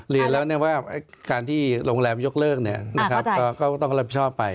เรียนแล้วว่าในร้วงแรมยกเลิกก็ต้องรับชอบไป